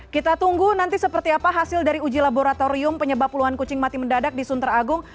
kita tunggu nanti seperti apa hasil dari uji laboratorium penyebab puluhan kucing mati mendadak di sunter agung